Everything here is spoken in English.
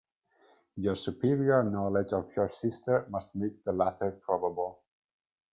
Your superior knowledge of your sister must make the latter probable.